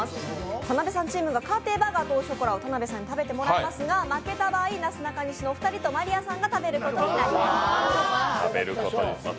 田辺さんチームが勝てば田辺さんにガトーショコラを食べていただきますが、負けた場合、なすなかにしのお二人と真莉愛さんが食べることになります。